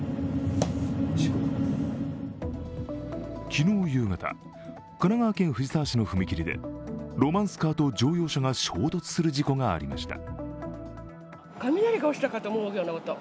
昨日夕方、神奈川県藤沢市の踏切でロマンスカーと乗用車が衝突する事故がありました。